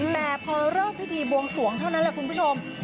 แต่พอเลิกพิธีบวงสวงเท่านั้นแหละคุณผู้ชม